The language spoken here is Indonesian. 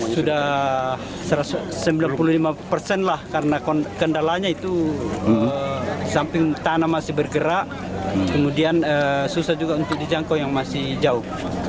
sudah sembilan puluh lima persen lah karena kendalanya itu samping tanah masih bergerak kemudian susah juga untuk dijangkau yang masih jauh